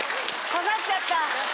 刺さっちゃった。